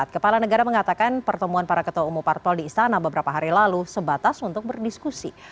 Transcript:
kepala negara mengatakan pertemuan para ketua umum parpol di istana beberapa hari lalu sebatas untuk berdiskusi